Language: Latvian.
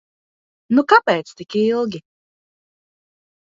Nu kāpēc tik ilgi?